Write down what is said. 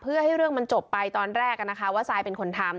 เพื่อให้เรื่องมันจบไปตอนแรกนะคะว่าซายเป็นคนทำ